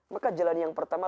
maka jalan yang pertama